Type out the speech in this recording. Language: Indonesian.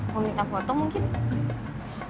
mau minta foto mungkin